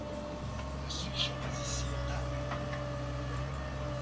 Ne suis-je pas ici en armes?